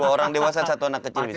dua orang dewasa satu anak kecil bisa